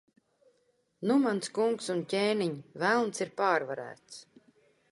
Nu, mans kungs un ķēniņ, Velns ir pārvarēts.